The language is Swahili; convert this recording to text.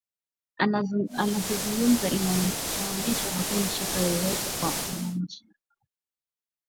akizungumza inaonyesha hakuna shaka yoyote kwamba wananchi